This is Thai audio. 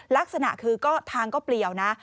ลักษณะคือก็ทางก็เปลี่ยวนะ